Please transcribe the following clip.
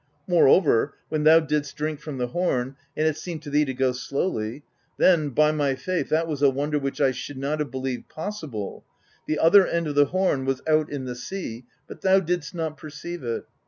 "'Moreover, when thou didst drink from the horn, and it seemed to thee to go slowly, then, by my faith, that was a wonder which I should not have believed possible: the other end of the horn was out in the sea, but thou didst not perceive it.